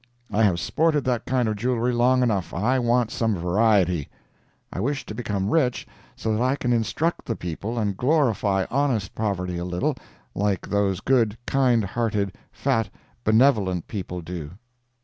I have sported that kind of jewelry long enough. I want some variety. I wish to become rich, so that I can instruct the people and glorify honest poverty a little, like those good, kind hearted, fat, benevolent people do.